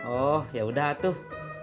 oh yaudah tuh